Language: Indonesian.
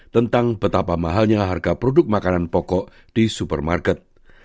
tentang betapa mahalnya harga produk makanan pokok di supermarket